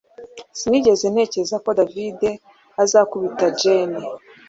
Sinigeze ntekereza ko David azakubita Jane